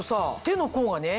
手の甲がね